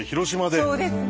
そうですね！